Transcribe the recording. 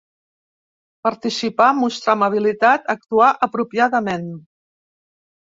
Participar, mostrar amabilitat, actuar apropiadament.